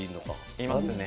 いますね。